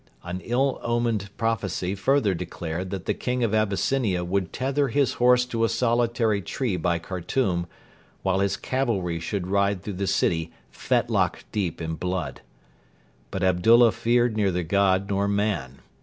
An ill omened prophecy further declared that the King of Abyssinia would tether his horse to a solitary tree by Khartoum, while his cavalry should ride through the city fetlock deep in blood. But Abdullah feared neither God nor man.